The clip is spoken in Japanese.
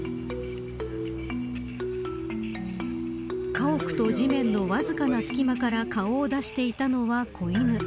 家屋と地面のわずかな隙間から顔を出していたのは子犬。